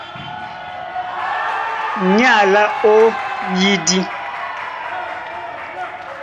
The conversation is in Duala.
Ní alá ó eyídí.